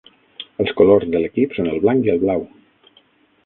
Els colors de l'equip són el blanc i el blau.